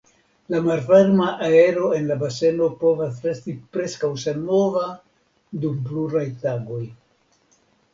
La malvarma aero en la baseno povas resti preskaŭ senmova dum pluraj tagoj.